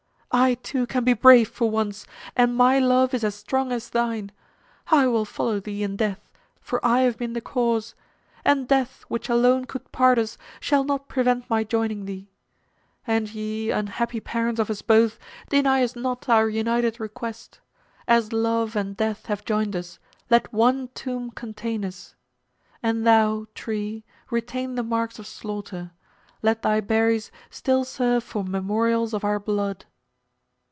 "I too can be brave for once, and my love is as strong as thine. I will follow thee in death, for I have been the cause; and death which alone could part us shall not prevent my joining thee. And ye, unhappy parents of us both, deny us not our united request. As love and death have joined us, let one tomb contain us. And thou, tree, retain the marks of slaughter. Let thy berries still serve for memorials of our blood."